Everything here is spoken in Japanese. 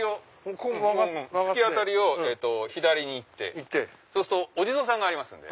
突き当たりを左に行ってそうするとお地蔵さんがありますんで。